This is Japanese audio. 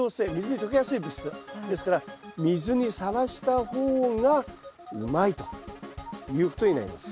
ですから水にさらした方がうまいということになります。